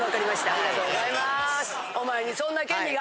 ありがとうございます。